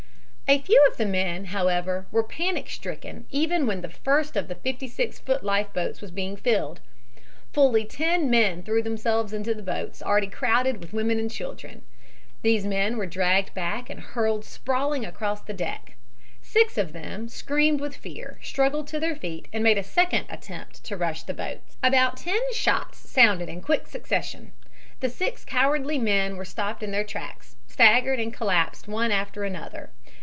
A few of the men, however, were panic stricken even when the first of the fifty six foot life boats was being filled. Fully ten men threw themselves into the boats already crowded with women and children. These men were dragged back and hurled sprawling across the deck. Six of them, screamed with fear, struggled to their feet and made a second attempt to rush to the boats. About ten shots sounded in quick succession. The six cowardly men were stopped in their tracks, staggered and collapsed one after another.